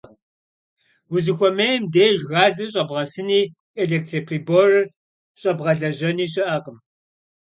Vuşıxuemêym dêjj, gazır ş'ebğesıni, elêktro - priborır ş'ebğelejeni şı'ekhım.